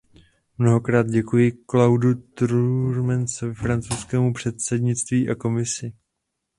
Mnohokrát děkuji Claudu Turmesovi, francouzskému předsednictví a Komisi.